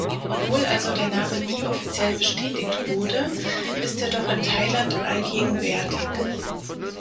Obwohl also der Name nie offiziell bestätigt wurde, ist er doch in Thailand allgegenwärtig.